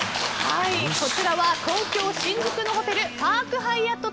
こちらは東京・新宿のホテルパークハイアット